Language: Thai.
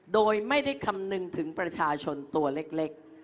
โดยไม่ได้คำนึงถึงประชาชนตัวเล็ก